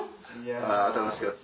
あぁ楽しかった。